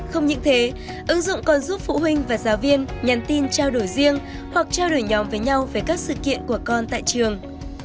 không những thế ứng dụng còn giúp phụ huynh và giáo viên nhắn tin trao đổi riêng hoặc trao đổi nhóm với nhau về các sự kiện của con tại trường